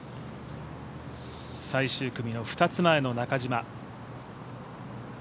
最終組の２つ前の中島。